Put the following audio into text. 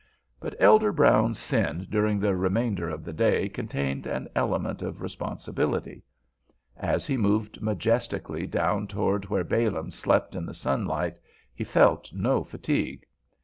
But Elder Brown's sin during the remainder of the day contained an element of responsibility. As he moved majestically down toward where Balaam slept in the sunlight, he felt no fatigue.